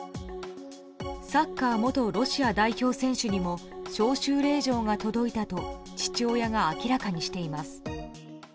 サッカー元ロシア代表選手にも招集令状が届いたと父親が明らかにしています。